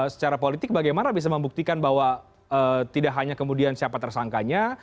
secara politik bagaimana bisa membuktikan bahwa tidak hanya kemudian siapa tersangkanya